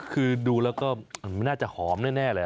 คือดูแล้วก็น่าจะหอมแน่เลย